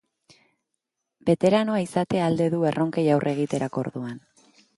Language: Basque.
Beteranoa izatea alde du erronkei aurre egiterako orduan.